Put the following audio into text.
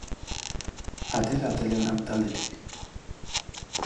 Atera Telegram taldetik.